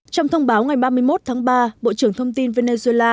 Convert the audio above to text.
trong thông báo ngày ba mươi một tháng ba bộ trưởng thông tin venezuela